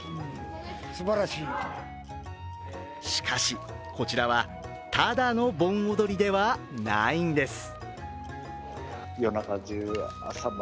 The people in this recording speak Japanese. しかし、こちらはただの盆踊りではないんです。